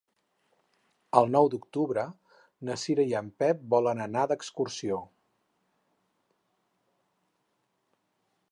El nou d'octubre na Cira i en Pep volen anar d'excursió.